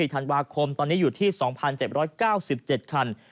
ธันวาคมตอนนี้อยู่ที่๒๗๙๗คัน